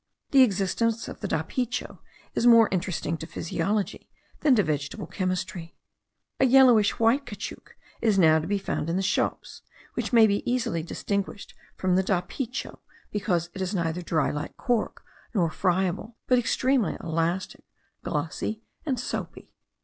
The existence of the dapicho is more interesting to physiology than to vegetable chemistry. A yellowish white caoutchouc is now to be found in the shops, which may be easily distinguished from the dapicho, because it is neither dry like cork, nor friable, but extremely elastic, glossy, and soapy.